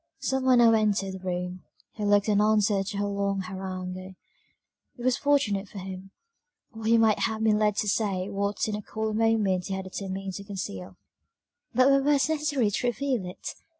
Some one now entered the room; he looked an answer to her long harangue; it was fortunate for him, or he might have been led to say what in a cooler moment he had determined to conceal; but were words necessary to reveal it?